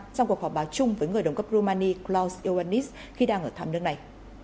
trong cuộc họp báo chung với người đồng cấp rumani klaus ubanes khi đang ở thăm nước này